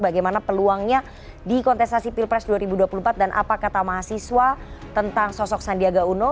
bagaimana peluangnya di kontestasi pilpres dua ribu dua puluh empat dan apa kata mahasiswa tentang sosok sandiaga uno